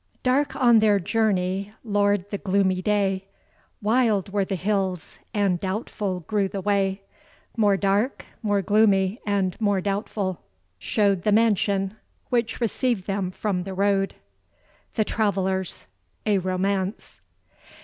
Dark on their journey lour'd the gloomy day, Wild were the hills, and doubtful grew the way; More dark, more gloomy, and more doubtful, show'd The mansion, which received them from the road. THE TRAVELLERS, A ROMANCE.